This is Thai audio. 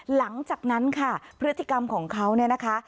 หลังจากนั้นค่ะพฤติกรรมของเขาเนี่ยนะคะ